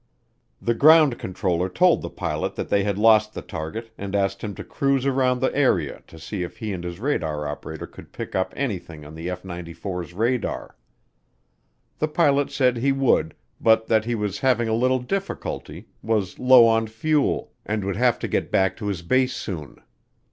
The ground controller told the pilot that they had lost the target and asked him to cruise around the area to see if he and his radar operator could pick up anything on the F 94's radar. The pilot said he would but that he was having a little difficulty, was low on fuel, and would have to get back to his base soon.